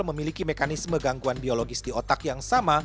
memiliki mekanisme gangguan biologis di otak yang sama